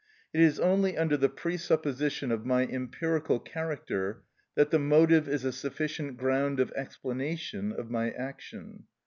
It is only under the presupposition of my empirical character that the motive is a sufficient ground of explanation of my action.